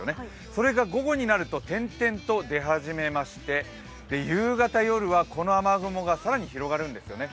それが午後になると点々と出始めまして、夕方、夜は、この雨雲が更に広がるんですよね。